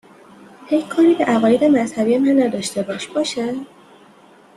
هی کاری به عقاید مذهبی من نداشته باش ، باشه ؟